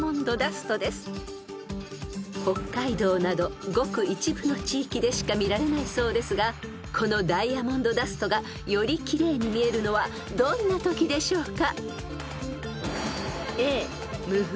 ［北海道などごく一部の地域でしか見られないそうですがこのダイヤモンドダストがより奇麗に見えるのはどんなときでしょうか？］